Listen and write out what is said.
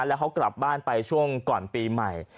แล้วเขากลับบ้านไปช่วงก่อนปีใหม่